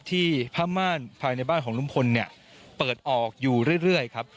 ที่ผ้าม่านภายในบ้านของลุมพลเปิดออกอยู่เรื่อย